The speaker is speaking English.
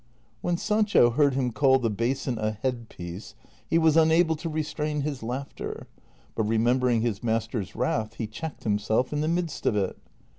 When Sancho heard him call the basin a head piece he was unable to restrain his laughter, but remembering his master's wrath he checked himself in the midst of it.